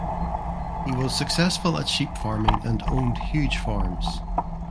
He was successful at sheep farming and owned huge farms.